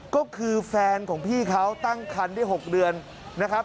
ก็คือแฟนของพี่เขาตั้งคันได้๖เดือนนะครับ